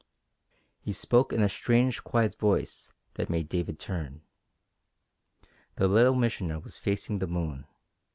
He spoke in a strange, quiet voice that made David turn. The Little Missioner was facing the moon.